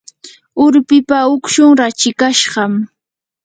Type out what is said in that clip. urpipa ukshun rachikashqam.